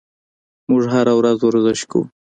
موږ هره ورځ ورزش کوو.